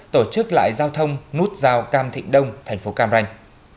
tổ chức lại giao thông nút giao cam thịnh đông thành phố cam ranh